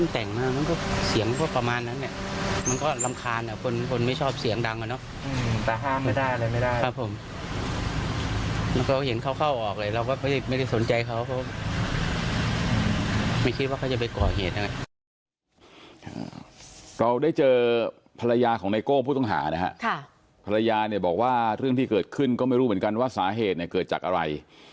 ที่เกิดขึ้นก็ไม่รู้เหมือนกันว่าสาเหตุเนี่ยเกิดจากอะไร